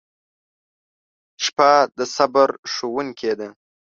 • شپه د صبر ښوونکې ده.